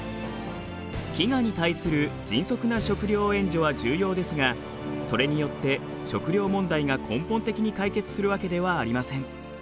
飢餓に対する迅速な食料援助は重要ですがそれによって食料問題が根本的に解決するわけではありません。